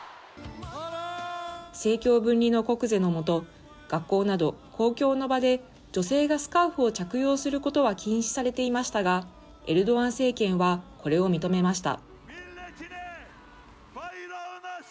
政教分離の国是の下、学校など、公共の場で女性がスカーフを着用することは禁止されていましたが、エルドアン政権はこれを認めました。